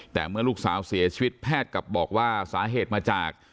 แต่เมื่อลูกสาวเสียชีวิตแพทย์กลับบอกว่าสาเหตุมาจาก